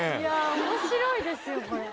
面白いですよこれ。